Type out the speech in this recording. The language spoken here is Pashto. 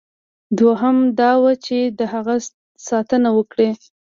دوهم دا وه چې د هغه ساتنه وکړي.